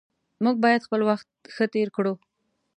موږ باید خپل وخت ښه تیر کړو